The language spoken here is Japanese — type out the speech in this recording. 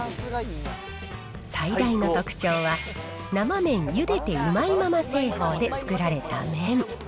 最大の特徴は、生麺ゆでてうまいまま製法で作られた麺。